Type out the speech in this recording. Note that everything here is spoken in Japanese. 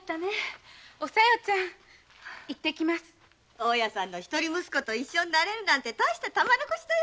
大家さんの一人息子と一緒になれるなんて大したもんだよ。